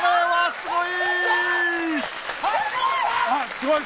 すごい！